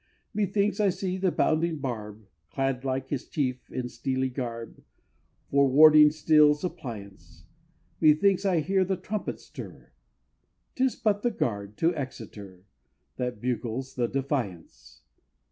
Methinks I see the bounding barb, Clad like his Chief in steely garb, For warding steel's appliance! Methinks I hear the trumpet stir! 'Tis but the guard, to Exeter, That bugles the "Defiance"!